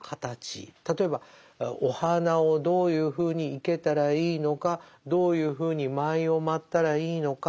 例えばお花をどういうふうに生けたらいいのかどういうふうに舞を舞ったらいいのか。